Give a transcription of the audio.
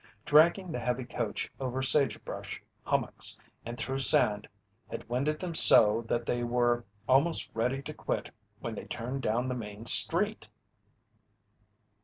Dragging the heavy coach over sagebrush hummocks and through sand had winded them so that they were almost ready to quit when they turned down the main street.